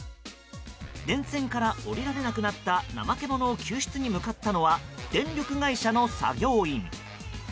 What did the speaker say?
電線から下りられなくなったナマケモノを救出に向かったのは電力会社の作業員。